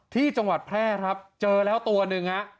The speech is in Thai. ที่จังหวัดแพร่ครับเจอแล้วตัวหนึ่งฮะ